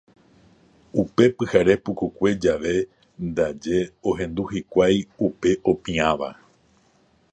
Upe pyhare pukukue javeve ndaje ohendu hikuái upe opiãva.